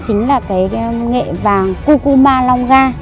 chính là nghệ vàng cucuma longga